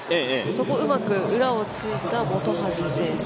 そこを、うまく裏をついた本橋選手。